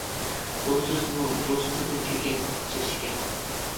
بۇ سۆزمۇ رۇس تىلىدىن كىرگەن سۆز ئىكەن.